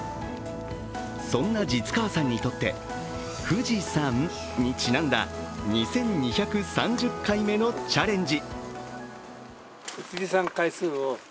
そんな實川さんにとって富士山にちなんだ２２３０回目のチャレンジ。